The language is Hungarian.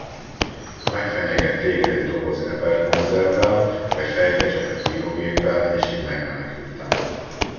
Megfenyeget téged egy doboz eperkonzervvel, vagy fejbecsap egy írógéppel, és én megmenekültem!